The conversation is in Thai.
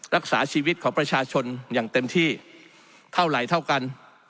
รักษาชีวิตของประชาชนอย่างเต็มที่เท่าไหร่เท่ากัน